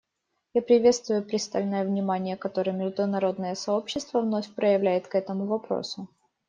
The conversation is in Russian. Я приветствую пристальное внимание, которое международное сообщество вновь проявляет к этому вопросу.